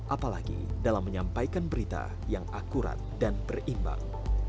apalagi dalam menyampaikan berita yang akurat dan berimbang